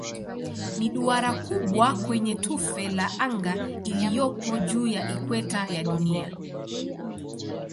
Ni duara kubwa kwenye tufe la anga iliyopo juu ya ikweta ya Dunia.